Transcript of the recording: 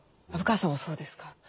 虻川さんもそうですか？